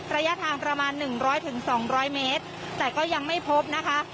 ระยะทางประมาณหนึ่งร้อยถึงสองร้อยเมตรแต่ก็ยังไม่พบนะคะ